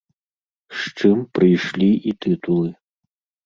З чым прыйшлі і тытулы.